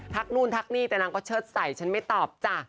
นู่นทักนี่แต่นางก็เชิดใส่ฉันไม่ตอบจ้ะ